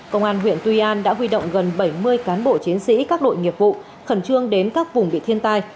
công an huyện tuy an đã huy động gần bảy mươi cán bộ chiến sĩ các đội nghiệp vụ khẩn trương đến các vùng bị thiên tai